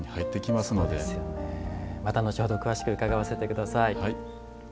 また後ほど詳しく伺わせてください。